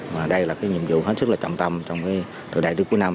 và đây là nhiệm vụ hết sức trọng tâm trong thời đại đứa cuối năm